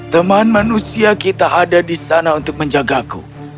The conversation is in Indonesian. teman manusia kita ada di sana untuk menjagaku